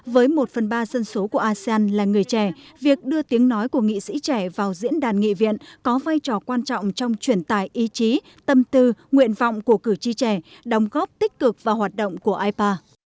với một phần ba dân số của asean là người trẻ việc đưa tiếng nói của nghị sĩ trẻ vào diễn đàn nghị viện có vai trò quan trọng trong chuyển tài ý chí tâm tư nguyện vọng của cử tri trẻ đóng góp tích cực vào hoạt động của ipa